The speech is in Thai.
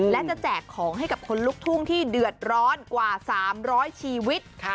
และจะแจกของให้กับคนลุกทุ่งที่เดือดร้อนกว่า๓๐๐ชีวิต